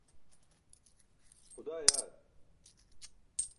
xudaa yaar